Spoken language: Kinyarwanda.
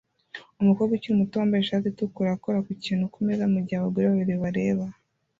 Umukobwa ukiri muto wambaye ishati itukura akora ku kintu kumeza mugihe abagore babiri bareba